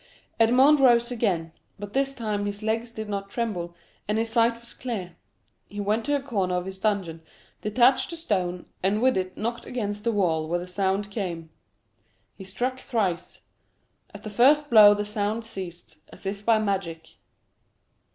Edmond rose again, but this time his legs did not tremble, and his sight was clear; he went to a corner of his dungeon, detached a stone, and with it knocked against the wall where the sound came. He struck thrice. At the first blow the sound ceased, as if by magic.